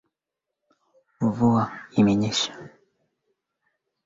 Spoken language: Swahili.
na hali nzuri ya hewa na maji Hali hii ilisababisha pahala pale